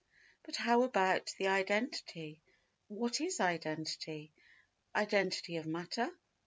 But how about the identity? What is identity? Identity of matter?